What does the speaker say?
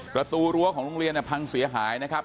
ประตูรั้วของโรงเรียนพังเสียหายนะครับ